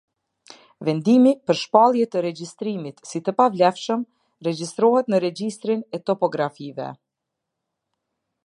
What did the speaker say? Vendimi për shpallje të regjistrimit si të pavlefshëm regjistrohet në regjistrin e topografive.